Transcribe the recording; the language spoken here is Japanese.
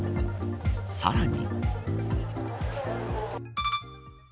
さらに。